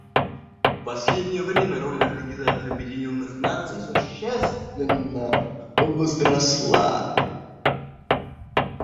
В последнее время роль Организации Объединенных Наций существенно возросла.